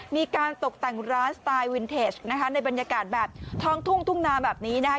มีการตกแต่งร้านสไตล์วินเทจนะคะในบรรยากาศแบบท้องทุ่งทุ่งนาแบบนี้นะคะ